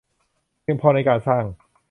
เพียงพอในการสร้าง